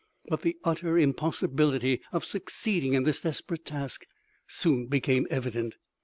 But the utter impossibility of succeeding in this desperate task soon became evident.